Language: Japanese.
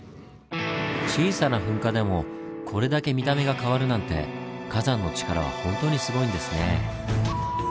小さな噴火でもこれだけ見た目が変わるなんて火山の力はほんとにすごいんですね。